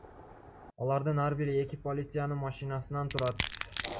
Алардын ар бири эки полициянын машинасынан турат.